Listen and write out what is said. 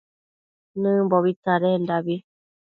Nëmbobi tsadendabi